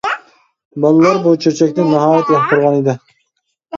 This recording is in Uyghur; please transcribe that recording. بالىلار بۇ چۆچەكنى ناھايىتى ياقتۇرغان ئىدى.